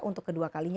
untuk kedua kalinya